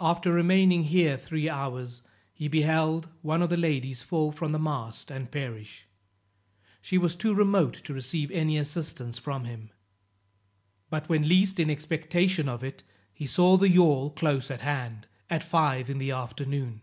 After remaining here three hours, he beheld one of the ladies fall from the mast and perish. She was too remote to receive any assistance from him. But when least in expectation of it, he saw the yawl close at hand, at five in the afternoon.